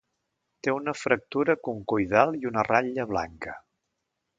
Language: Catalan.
Té una fractura concoidal i una ratlla blanca.